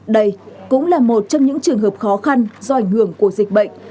đây cũng là một trong những trường hợp khó khăn do ảnh hưởng của dịch bệnh